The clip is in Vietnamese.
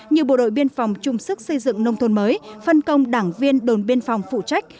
như bộ đội biên phòng chung sức xây dựng nông thôn mới phân công đảng viên đồn biên phòng phụ trách